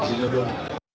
di sini pak